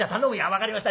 「分かりました。